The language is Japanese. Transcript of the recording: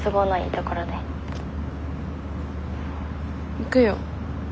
行くよ。